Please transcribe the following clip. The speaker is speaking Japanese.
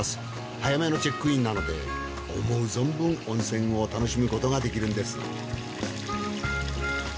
早めのチェックインなので思う存分温泉を楽しむことができるんです。